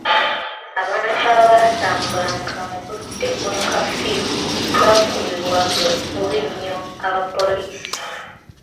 Abantu abaatambulanga mu budde bwa kafyu baakubibwanga bubi nnyo abapoliisi.